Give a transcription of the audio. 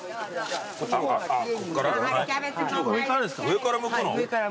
上から。